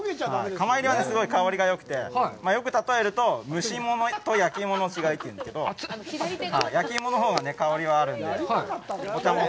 釜炒りはすごい香りがよくて、例えると蒸し物と焼き物と違いというんですけど、焼きのほうが香りもあるので。